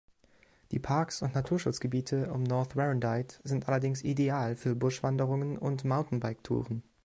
Die Parks und Naturschutzgebiete um North Warrandyte sind allerdings ideal für Buschwanderungen und Mountainbiketouren.